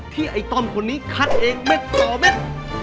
ไอ้ต้อมคนนี้คัดเองเม็ดต่อเม็ด